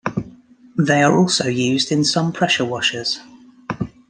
They are also used in some pressure washers.